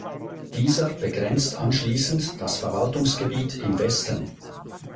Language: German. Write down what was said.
Dieser begrenzt anschließend das Verwaltungsgebiet im Westen.